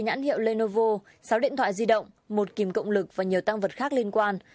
nhãn hiệu lenovo sáu điện thoại di động một kìm cộng lực và nhiều tăng vật khác liên quan